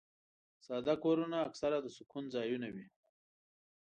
ساده کورونه اکثره د سکون ځایونه وي.